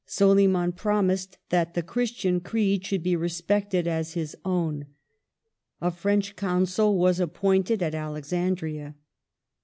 Soliman promised that the Christian creed should be respected as his own. A French Consul was appointed at Alexandria.